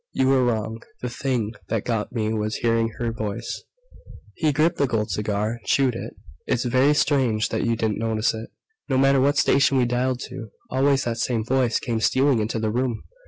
You were wrong. The thing that got me was hearing her voice " He gripped the cold cigar, chewed it. "It's very strange that you didn't notice it. No matter what station we dialed to, always that same voice came stealing into the room!